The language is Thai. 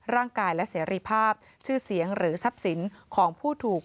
ร่างกายและเสรีภาพชื่อเสียงหรือทรัพย์สินของผู้ถูก